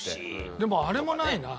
でもあれもないな。